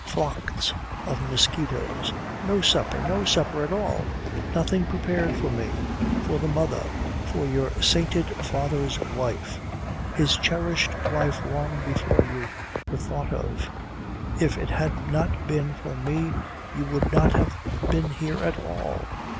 Flocks of mosquitoes. No supper. No supper at all. Nothing prepared for me. For the mother. For your sainted father's wife. His cherished wife long before you were thought of. If it had not been for me you would not have been here at all.